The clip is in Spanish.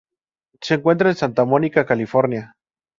Se encuentra en Santa Monica, California.